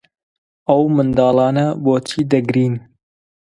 ئەو منداڵانە بۆچی دەگرین؟